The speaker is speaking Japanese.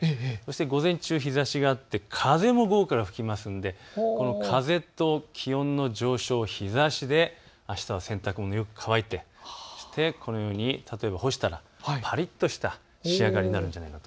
午前中、日ざしがあって風も午後から吹きますので風と気温の上昇、日ざしであしたは洗濯物、よく乾いて干したらぱりっとした仕上がりになると。